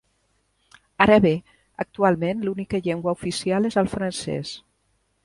Ara bé, actualment l'única llengua oficial és el francès.